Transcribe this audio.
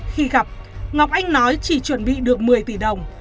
khi gặp ngọc anh nói chỉ chuẩn bị được một mươi tỷ đồng